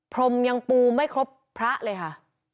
พรมยังปูไม่ครบพระเลยค่ะ